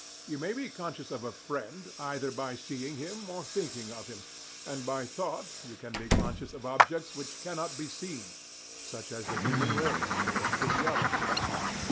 You may be conscious of a friend either by seeing him or by "thinking" of him; and by "thought" you can be conscious of objects which cannot be seen, such as the human race, or physiology.